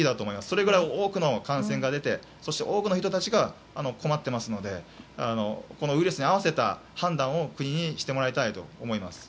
それぐらい多くの感染が出て多くの人たちが困っていますのでこのウイルスに合わせた判断を国にしてもらいたいと思います。